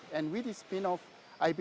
dan dengan spin off ini